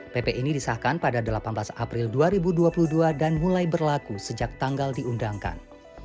pp ini disahkan pada delapan belas april dua ribu dua puluh dua dan mulai berlaku sejak tanggal diundangkan